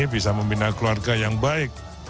bisa membina keluarga yang baik